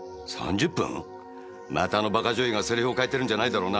またあの馬鹿女優がセリフを変えてるんじゃないだろうな。